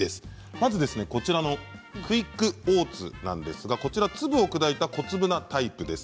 まずこちらのクイックオーツなんですが粒を砕いた小粒なタイプです。